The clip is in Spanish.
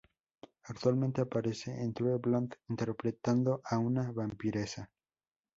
Actualmente aparece en "True Blood" interpretando a una vampiresa.